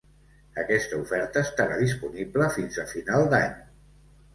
Aquesta oferta estarà disponible fins a final d'any.